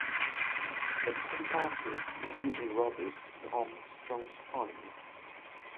The pedipalpus is usually robust and armed with strong spines.